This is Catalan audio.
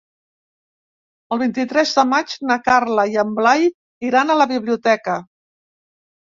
El vint-i-tres de maig na Carla i en Blai iran a la biblioteca.